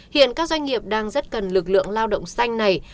hiện các doanh nghiệp đang rất cần lực lượng lao động xanh này